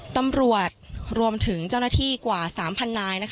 ตำรวจรวมถึงเจ้าหน้าที่กว่า๓๐๐นาย